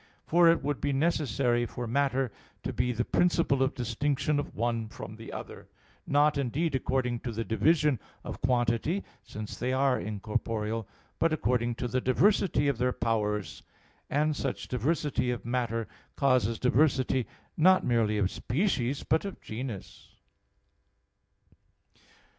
For it would be necessary for matter to be the principle of distinction of one from the other, not, indeed, according to the division of quantity, since they are incorporeal, but according to the diversity of their powers; and such diversity of matter causes diversity not merely of species, but of genus.